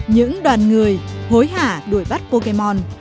những đoàn người hối hạ đuổi bắt pokemon go